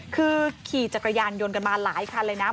คือขี่จักรยานยนต์กันมาหลายคันเลยนะ